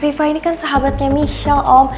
rifah ini kan sahabatnya michel om